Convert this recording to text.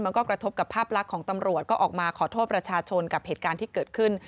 กระทบกับภาพลักษณ์ของตำรวจก็ออกมาขอโทษประชาชนกับเหตุการณ์ที่เกิดขึ้น